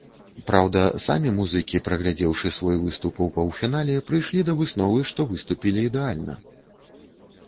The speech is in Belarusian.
Праўда, самі музыкі, праглядзеўшы свой выступ ў паўфінале, прыйшлі да высновы, што выступілі ідэальна.